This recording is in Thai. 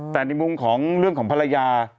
แต่ในมุมของเรื่องของภรรยา